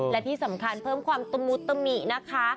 และที่สำคัญเพิ่มความตะมุตมินะคะ